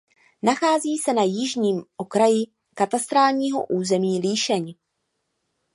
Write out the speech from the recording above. Nachází se na jižním okraji katastrálního území Líšeň.